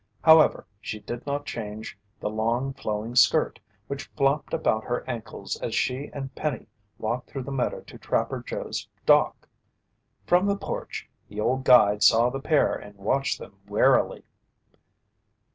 However, she did not change the long, flowing skirt, which flopped about her ankles as she and Penny walked through the meadow to Trapper Joe's dock. From the porch, the old guide saw the pair and watched them warily.